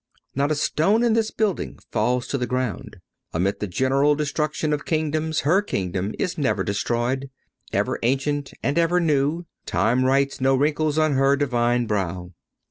Not a stone in this building falls to the ground. Amid the general destruction of kingdoms her kingdom is never destroyed. Ever ancient and ever new, time writes no wrinkles on her Divine brow.